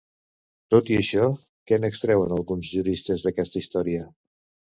Tot i això, què n'extreuen alguns juristes d'aquesta història?